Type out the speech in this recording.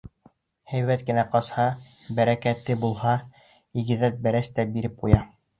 Һәйбәт кенә ҡасһа, бәрәкәте булһа, игеҙәк бәрәс тә биреп ҡуя.